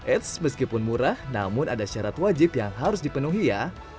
eits meskipun murah namun ada syarat wajib yang harus dipenuhi ya